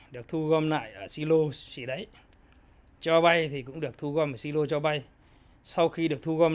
được thu gom lại ở xí lô xỉ đấy cho bay thì cũng được thu gom ở xí lô cho bay sau khi được thu gom